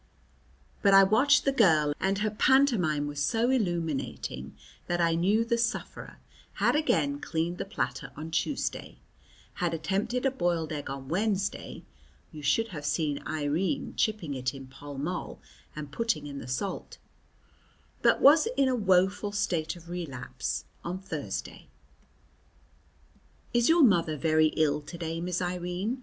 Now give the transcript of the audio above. But I watched the girl, and her pantomime was so illuminating that I knew the sufferer had again cleaned the platter on Tuesday, had attempted a boiled egg on Wednesday (you should have seen Irene chipping it in Pall Mall, and putting in the salt), but was in a woful state of relapse on Thursday. "Is your mother very ill to day, Miss Irene?"